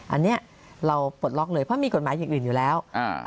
อันนี้เราปลดล็อกเลยเพราะมีกฎหมายอย่างอื่นอยู่แล้ว